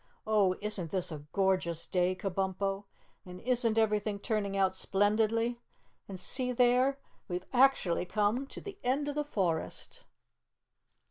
"Oh, isn't this a gorgeous day, Kabumpo, and isn't everything turning out splendidly? And see there we've actually come to the end of the forest."